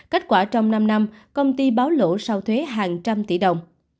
cách quả trong năm năm công ty bắt đầu tăng lên một một trăm bốn mươi một tỷ đồng